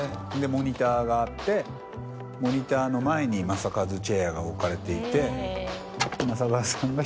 モニターがあってモニターの前に正和チェアが置かれていて。